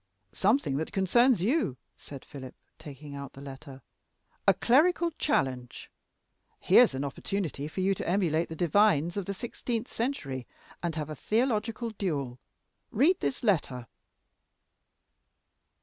"Something that concerns you," said Philip, taking out the letter. "A clerical challenge. Here's an opportunity for you to emulate the divines of the sixteenth century and have a theological duel. Read this letter."